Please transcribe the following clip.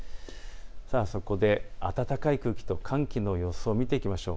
そこで暖かい空気と寒気の予想を見ていきましょう。